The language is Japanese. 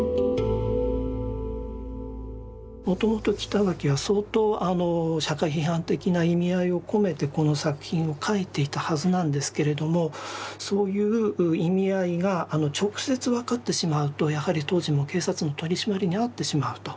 もともと北脇は相当社会批判的な意味合いを込めてこの作品を描いていたはずなんですけれどもそういう意味合いが直接分かってしまうとやはり当時も警察の取締りに遭ってしまうと。